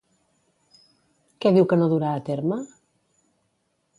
Què diu que no durà a terme?